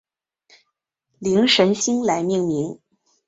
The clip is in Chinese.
灵神星来命名。